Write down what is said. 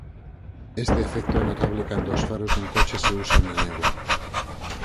Este efecto é notable cando os faros dun coche se usan na néboa.